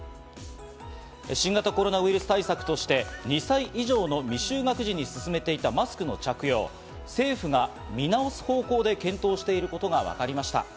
新型コロナウイルス対策として２歳以上の未就学児に進めていたマスクの着用、政府が見直す方向で検討していることがわかりました。